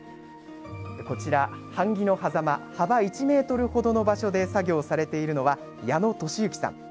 こちら、版木のはざま幅１ｍほどの場所で作業されているのは矢野俊行さん。